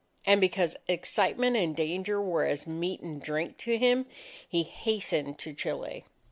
And because excitement and danger were as meat and drink to him, he hastened to Chile.